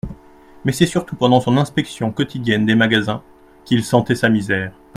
Mais c'était surtout pendant son inspection quotidienne des magasins, qu'il sentait sa misère.